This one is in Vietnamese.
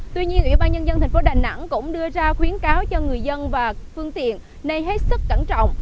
tuy nhiên ủy ban nhân dân thành phố đà nẵng cũng đưa ra khuyến cáo cho người dân và phương tiện này hết sức cẩn trọng